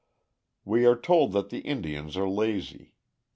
We are told that the Indians are lazy.